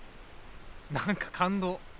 何か感動。